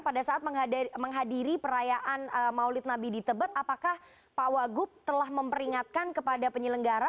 pada saat menghadiri perayaan maulid nabi di tebet apakah pak wagup telah memperingatkan kepada penyelenggara